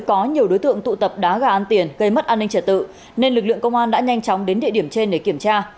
có nhiều đối tượng tụ tập đá gà ăn tiền gây mất an ninh trả tự nên lực lượng công an đã nhanh chóng đến địa điểm trên để kiểm tra